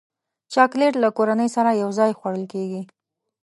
چاکلېټ له کورنۍ سره یوځای خوړل کېږي.